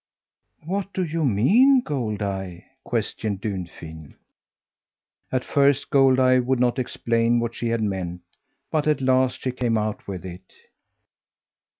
"What do you mean, Goldeye?" questioned Dunfin. At first Goldeye would not explain what she had meant, but at last she came out with it.